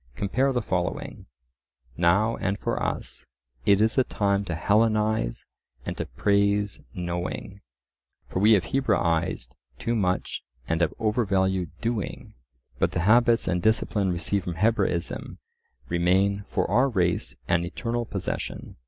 (Compare the following: "Now, and for us, it is a time to Hellenize and to praise knowing; for we have Hebraized too much and have overvalued doing. But the habits and discipline received from Hebraism remain for our race an eternal possession.